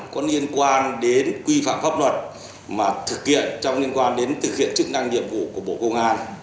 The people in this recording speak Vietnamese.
có liên quan đến quy phạm pháp luật mà thực hiện trong liên quan đến thực hiện chức năng nhiệm vụ của bộ công an